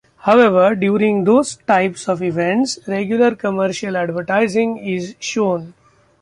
However, during those types of events, regular commercial advertising is shown.